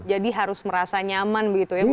jadi harus merasa nyaman begitu ya